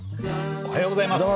おはようございます。